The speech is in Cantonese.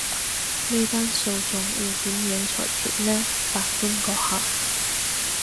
呢單訴訟要點樣裁決呢，法官閣下？